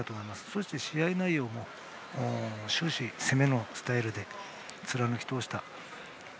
そして、試合内容も終始、攻めのスタイルで貫き通した。